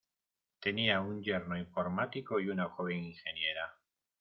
Tenía un yerno informático y una joven ingeniera.